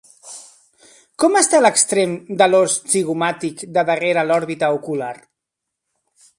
Com està l'extrem de l'os zigomàtic de darrere l'òrbita ocular?